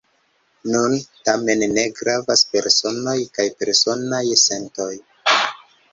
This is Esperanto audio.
Nun, tamen, ne gravas personoj kaj personaj sentoj.